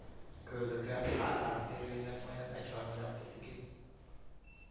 Köldöke a ház átmérőjének majdnem egyharmadát teszi ki.